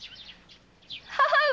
母上！